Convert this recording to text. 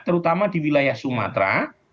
terutama di wilayah sumatera